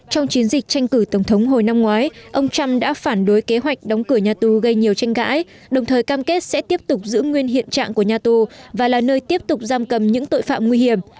trong chiến dịch tranh cử tổng thống hồi năm ngoái ông trump đã phản đối kế hoạch đóng cửa nhà tù gây nhiều tranh cãi đồng thời cam kết sẽ tiếp tục giữ nguyên hiện trạng của nhà tù và là nơi tiếp tục giam cầm những tội phạm nguy hiểm